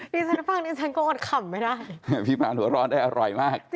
ที่ฉันฟังดิฉันก็อดขำไม่ได้พี่พานหัวร้อนได้อร่อยมาก